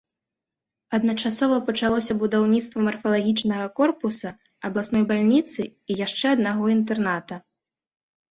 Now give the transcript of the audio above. Адначасова пачалося будаўніцтва марфалагічнага корпуса, абласной бальніцы і яшчэ аднаго інтэрната.